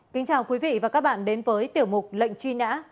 kính chào quý vị và các bạn đến với tiểu mục lệnh truy nã